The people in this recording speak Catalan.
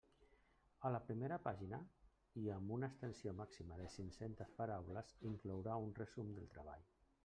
A la primera pàgina i amb una extensió màxima de cinc-centes paraules inclourà un resum del treball.